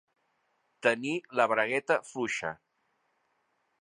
Tenir la bragueta fluixa.